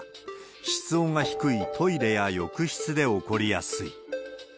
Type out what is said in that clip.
室温が低いトイレや浴室で起こりやすい。